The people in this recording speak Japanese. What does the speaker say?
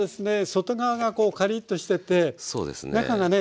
外側がカリッとしてて中がね